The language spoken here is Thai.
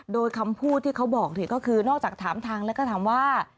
โดยคำพูดที่เขาบอกก็คือนอกจากถามทางแล้วก็ถามว่า